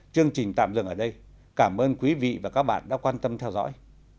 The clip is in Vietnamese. chúc quý vị và các bạn đã quan tâm theo dõi